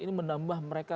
ini menambah mereka